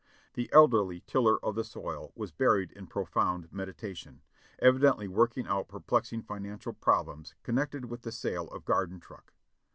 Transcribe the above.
The elderly tiller of the soil was buried in profound meditation, evidently working out perplexing financial problems connected with the sale of garden truck.